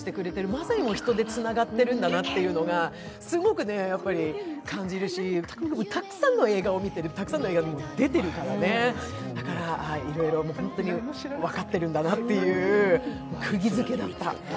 まさに人でつながっているんだなとすごく感じるし、たくさんの映画を見てる、たくさんの映画に出てるからね、だから、ホントに分かってるんだなっていう、くぎづけだった。